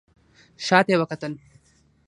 شا ته يې وکتل.